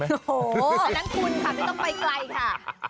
นั้นคุณค่ะไม่ต้องไปไกลค่ะ